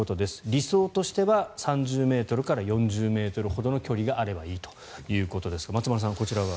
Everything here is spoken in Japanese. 理想としては３０ｍから４０ｍほどの距離があればいいということですが松丸さん、こちらは。